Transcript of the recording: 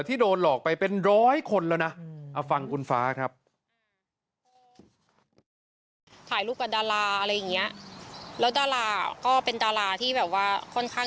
ที่โดนหลอกไปเป็นร้อยคนแล้วนะ